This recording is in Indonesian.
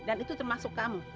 dan itu termasuk kamu